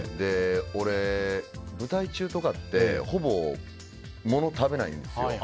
俺、舞台中とかってほぼものを食べないんですよ。